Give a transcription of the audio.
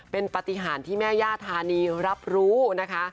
เป็นปฏิหารที่แม่ย่าธานีรับรู้นะคะ